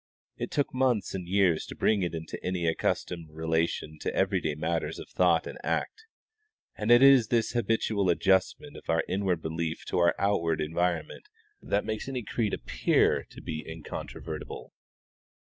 It took months and years to bring it into any accustomed relation to every day matters of thought and act; and it is this habitual adjustment of our inward belief to our outward environment that makes any creed appear to be incontrovertible.